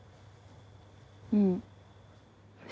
うん。